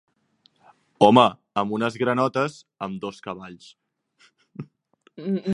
Home amb unes granotes, amb dos cavalls.